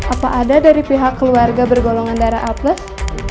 apa ada dari pihak keluarga bergolongan darah a plus